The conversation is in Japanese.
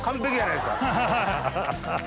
ハハハ！